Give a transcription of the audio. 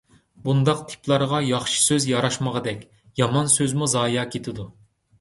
بۇنداق تىپلارغا ياخشى سۆز ياراشمىغاندەك، يامان سۆزمۇ زايە كېتىدۇ.